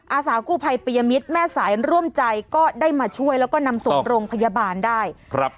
อาสากู้ภัยปิยมิตรแม่สายร่วมใจก็ได้มาช่วยแล้วก็นำส่งโรงพยาบาลได้ครับ